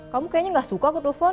kamu kayaknya gak suka ketelpon